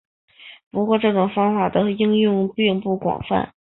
不过这种方法的应用并不广泛。